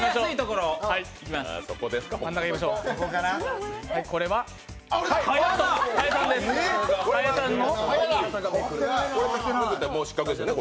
これは、もう失格ですよね。